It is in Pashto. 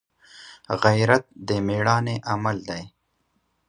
غیرت د مړانې عمل دی